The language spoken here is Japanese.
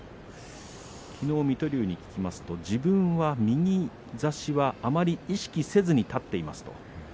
きのう水戸龍に聞きますと自分は右差しは、あまり意識せずに立っていますと。